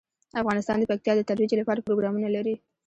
افغانستان د پکتیا د ترویج لپاره پروګرامونه لري.